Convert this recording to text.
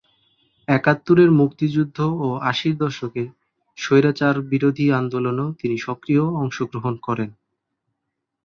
একাত্তরের মুক্তিযুদ্ধ ও আশির দশকে স্বৈরাচারবিরোধী আন্দোলনেও তিনি সক্রিয় অংশগ্রহণ করেন।